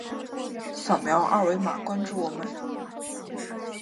扫描二维码关注我们。